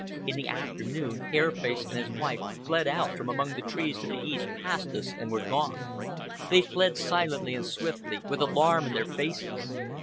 In the afternoon, Hair Face and his wife fled out from among the trees to the east, passed us, and were gone. They fled silently and swiftly, with alarm in their faces.